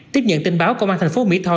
tiếp nhận tin báo công an thành phố mỹ tho